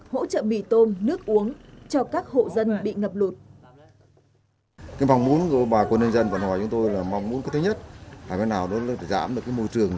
hỗ trợ mì tôm nước uống